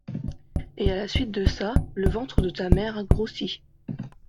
Et à la suite de ça, le ventre de ta mère a grossi.